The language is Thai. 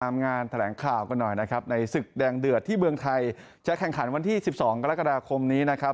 งานแถลงข่าวกันหน่อยนะครับในศึกแดงเดือดที่เมืองไทยจะแข่งขันวันที่สิบสองกรกฎาคมนี้นะครับ